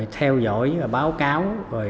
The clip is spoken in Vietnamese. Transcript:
theo dõi báo cáo